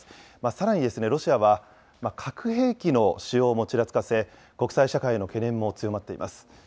さらに、ロシアは核兵器の使用もちらつかせ、国際社会の懸念も強まっています。